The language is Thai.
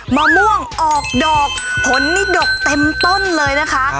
มะม่วงออกดอกผลนี่ดกเต็มต้นเลยนะคะ